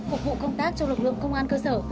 phục vụ công tác cho lực lượng công an cơ sở